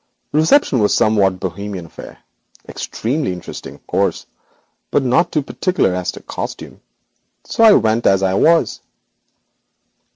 The reception was a somewhat bohemian affair, extremely interesting, of course, but not too particular as to costume, so I went as I was.